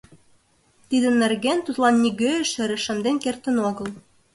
Тидын нерген тудлан нигӧ эше рашемден кертын огыл.